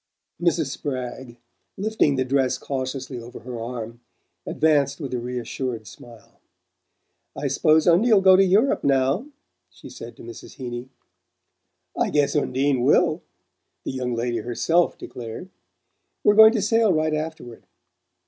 Mrs. Spragg, lifting the dress cautiously over her arm, advanced with a reassured smile. "I s'pose Undie'll go to Europe now," she said to Mrs. Heeny. "I guess Undie WILL!" the young lady herself declared. "We're going to sail right afterward.